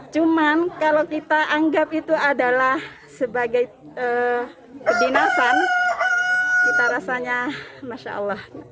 cuman kalau kita anggap itu adalah sebagai kedinasan kita rasanya masya allah